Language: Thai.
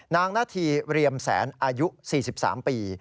นางหน้าที่เรียมแสนอายุ๔๓ปี